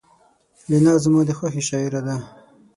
لینا زما د خوښې شاعره ده